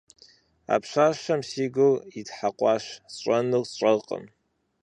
А пщащэм си гур итхьэкъуащ, сщӏэнур сщӏэркъым.